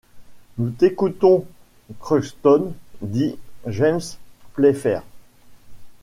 Nous t’écoutons, Crockston, dit James Playfair.